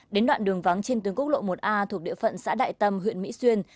đến đoạn đường vắng trên tuyến quốc lộ một a thuộc địa phận xã đại tâm huyện mỹ xuyên